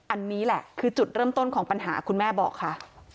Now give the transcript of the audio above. อันนี้แหละคือจุดเริ่มต้นของปัญหาคุณแม่บอกค่ะ